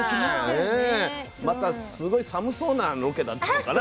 またすごい寒そうなロケだったのかな？